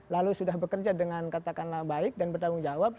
lalu sudah bekerja dengan katakanlah baik dan bertanggung jawab